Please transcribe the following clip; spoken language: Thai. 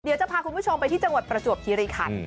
เดี๋ยวจะพาคุณผู้ชมไปที่จังหวัดประจวบคิริขัน